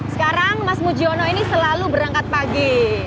sekarang mas mujiono ini selalu berangkat pagi